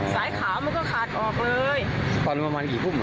สายขาวมันก็ขาดออกเลยตอนประมาณกี่ทุ่ม